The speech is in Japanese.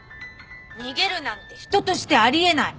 逃げるなんて人としてあり得ない。